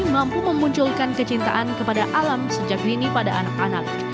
mampu memunculkan kecintaan kepada alam sejak dini pada anak anak